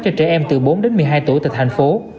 cho trẻ em từ bốn đến một mươi hai tuổi từ thành phố